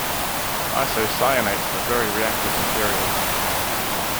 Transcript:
Isocyanates are very reactive materials.